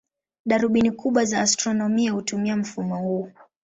Darubini kubwa za astronomia hutumia mfumo huo.